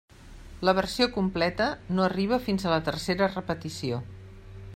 La versió completa no arriba fins a la tercera repetició.